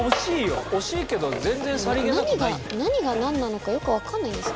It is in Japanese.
何がなんなのかよくわかんないんですよ。